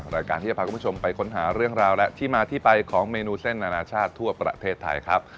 รายการที่จะพาคุณผู้ชมไปค้นหาเรื่องราวและที่มาที่ไปของเมนูเส้นอนาชาติทั่วประเทศไทยครับ